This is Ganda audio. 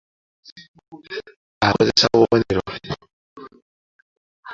Akozesa bubonero.